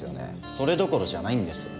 それどころじゃないんです。